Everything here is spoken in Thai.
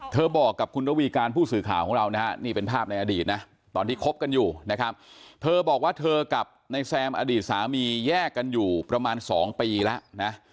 บอกกับคุณระวีการผู้สื่อข่าวของเรานะฮะนี่เป็นภาพในอดีตนะตอนที่คบกันอยู่นะครับเธอบอกว่าเธอกับนายแซมอดีตสามีแยกกันอยู่ประมาณ๒ปีแล้วนะ